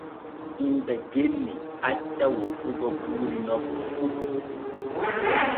Himɓe genni acca woppugo buuri nokku fu.